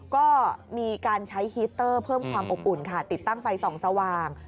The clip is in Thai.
ก็มีการใช้ฮีตเตอร์เพิ่มความอบอุ่นค่ะติดตั้งไฟส่องสว่าง